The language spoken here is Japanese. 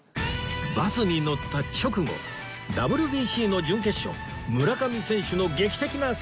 バスに乗った直後 ＷＢＣ の準決勝村上選手の劇的なサヨナラヒットで勝利！